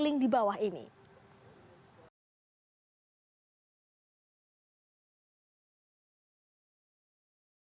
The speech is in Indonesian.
terima kasih ada di channel kita untuk menarcoollayalbum